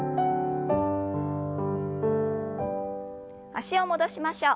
脚を戻しましょう。